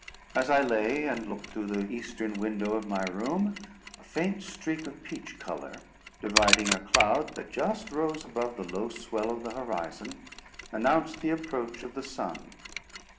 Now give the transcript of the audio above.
As I lay and looked through the eastern window of my room, a faint streak of peach colour, dividing a cloud that just rose above the low swell of the horizon, announced the approach of the sun.